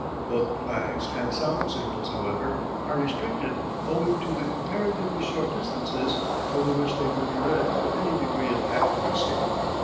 Both flags and sound signals, however, are restricted owing to the comparatively short distances over which they can be read with any degree of accuracy.